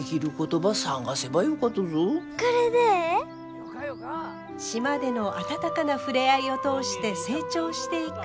島での温かな触れ合いを通して成長していく舞。